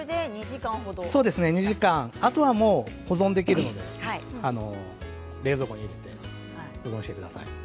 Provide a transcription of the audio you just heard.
あとは、もう保存できるので冷蔵庫に入れて保存してください。